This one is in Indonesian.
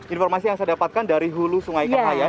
informasi yang saya dapatkan dari hulu sungai ketayan